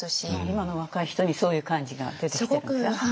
今の若い人にそういう感じが出てきてるんですか。